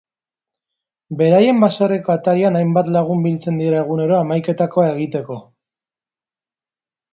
Beraien baserriko atarian hainbat lagun biltzen dira egunero hamaiketakoa egiteko.